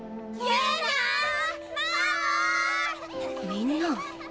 みんな。